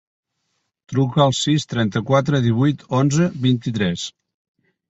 Truca al sis, trenta-quatre, divuit, onze, vint-i-tres.